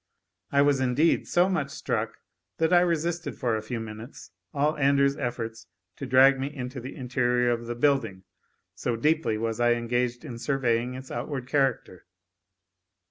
I was indeed so much struck, that I resisted for a few minutes all Andrew's efforts to drag me into the interior of the building, so deeply was I engaged in surveying its outward character.